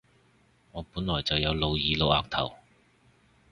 我本來就有露耳露額頭